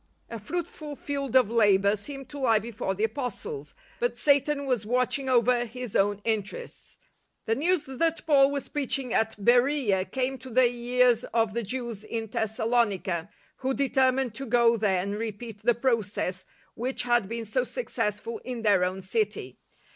A fruitful field of labour seemed to lie before the Apostles; but Satan was watching over his own interests. The news that Paul was preaching at Beroea came to the ears of the Jews in Thessalonica, who determined to go there and repeat the process which had been so successful in their own city.